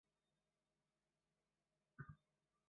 并以讨伐沈充之功而进封零陵县侯。